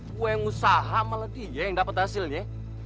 gue yang usaha malah dia yang dapat hasilnya